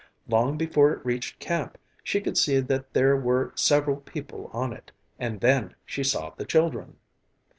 Long before it reached camp she could see that there were several people on it and then she saw the children.